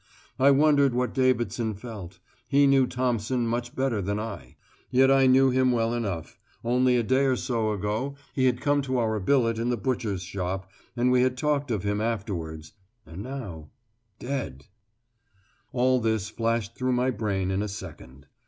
I wondered what Davidson felt; he knew Thompson much better than I. Yet I knew him well enough only a day or so ago he had come to our billet in the butcher's shop, and we had talked of him afterwards and now dead All this flashed through my brain in a second.